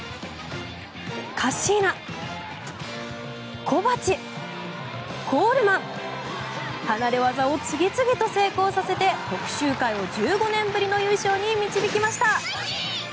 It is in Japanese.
カッシーナ、コバチ、コールマン離れ技を次々と成功させて徳洲会を１５年ぶりの優勝に導きました。